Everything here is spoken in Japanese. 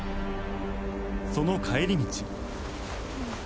その帰り道